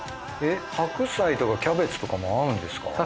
えっ白菜とかキャベツとかも合うんですか？